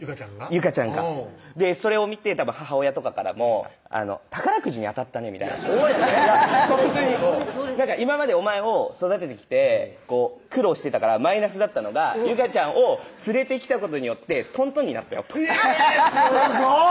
有果ちゃんがそれを見て母親とかからも「宝くじに当たったね」みたいなそうやでほんとに「今までお前を育ててきて苦労してたからマイナスだったのが有果ちゃんを連れてきたことによってトントンになったよ」とえぇすごい！